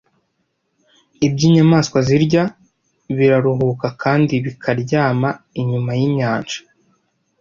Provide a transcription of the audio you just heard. Ibyo inyamaswa zirya biraruhuka kandi bikaryama inyuma yinyanja